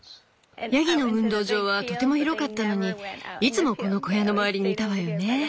ヤギの運動場はとても広かったのにいつもこの小屋の周りにいたわよね。